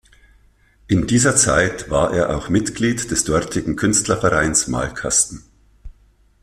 In dieser Zeit war er auch Mitglied des dortigen Künstlervereins Malkasten.